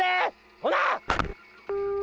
ほな！